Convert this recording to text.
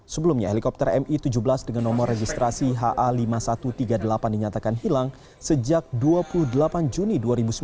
sebelumnya helikopter mi tujuh belas dengan nomor registrasi ha lima ribu satu ratus tiga puluh delapan dinyatakan hilang sejak dua puluh delapan juni dua ribu sembilan belas